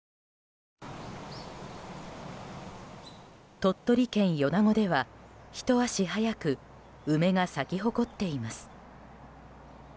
鳥取県米子ではひと足早く梅が咲き誇っています。